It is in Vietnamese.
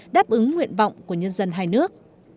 đáp ứng nguyện vọng của nhân dân hai nước